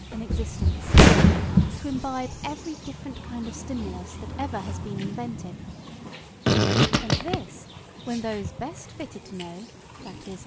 in existence; to imbibe every different kind of stimulus that ever has been invented; And this when those best fitted to know, viz.